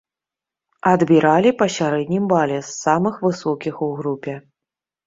Адбіралі па сярэднім бале, з самых высокіх у групе.